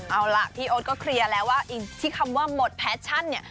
เอาล่ะพี่โอ๊ตก็เคลียร์แล้วว่าที่คำว่าหมดแฟชั่นเนี่ย